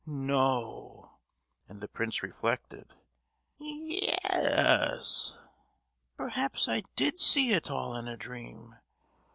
"No!" And the prince reflected. "Ye—yes. Perhaps I did see it all in a dream!